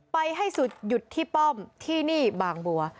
ไปให้สุดหยุดที่ป้อมที่นี่บางบัว